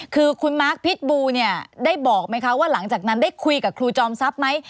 คือคุณมาร์คพิษบูเนี่ยได้บอกไหมคะว่าหลังจากนั้นได้คุยกับครูจอมทรัพย์ไหม